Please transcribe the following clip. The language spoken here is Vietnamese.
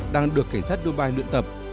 đang được cảnh sát dubai luyện tập